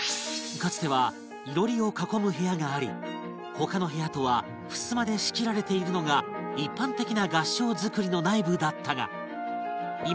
かつては囲炉裏を囲む部屋があり他の部屋とは襖で仕切られているのが一般的な合掌造りの内部だったが